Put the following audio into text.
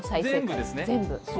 全部ですね。